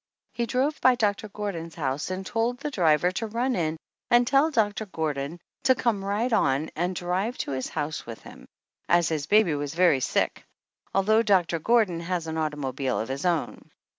He drove by Doctor Gordon's house and told the driver to run in and tell Doctor Gordon to come right on and drive to his house with him, as his baby was very sick, although Doctor Gordon has an automobile of his own.